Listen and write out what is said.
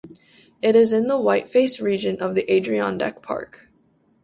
It is in the Whiteface region of the Adirondack Park.